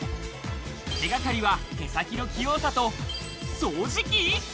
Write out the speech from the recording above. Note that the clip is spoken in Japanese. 手掛かりは手先の器用さと、掃除機！？